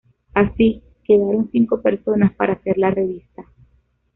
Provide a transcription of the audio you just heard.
Así, quedaron cinco personas para hacer la revista.